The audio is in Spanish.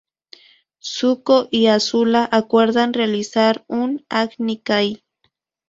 Zuko y Azula acuerdan realizar un Agni Kai.